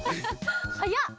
はやっ！